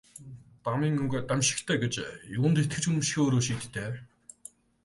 Дамын үг дамжигтай гэж юунд итгэж үнэмшихээ өөрөө шийд дээ.